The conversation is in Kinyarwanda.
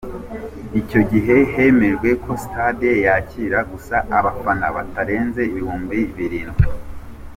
Icyo gihe hemejwe ko Stade yakira gusa abafana batarenze ibihumbi birindwi.